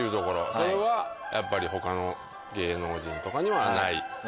それはやっぱり他の芸能人とかにはない。